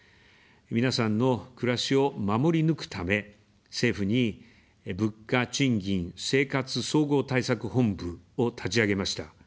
皆さんの暮らしを守り抜くため、政府に「物価・賃金・生活総合対策本部」を立ち上げました。